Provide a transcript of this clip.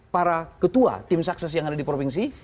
para ketua tim sukses yang ada di provinsi